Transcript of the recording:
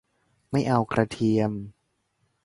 ไม่เอากระเทียม